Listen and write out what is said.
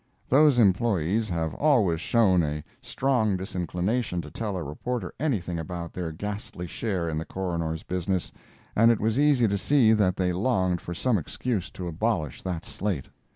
Those employees have always shown a strong disinclination to tell a reporter anything about their ghastly share in the Coroner's business, and it was easy to see that they longed for some excuse to abolish that slate.